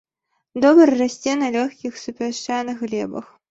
Добра расце на лёгкіх супясчаных глебах.